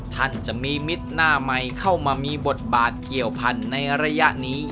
ท่านจะมีมิตรหน้าใหม่เข้ามามีบทบาทเกี่ยวพันธุ์ในระยะนี้